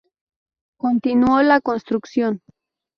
Continuó la construcción.